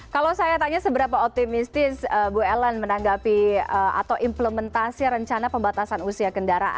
kalau saya tanya seberapa optimistis bu ellen menanggapi atau implementasi rencana pembatasan usia kendaraan